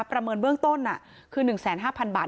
ประเมินเบื้องต้นคือ๑๕๐๐๐บาท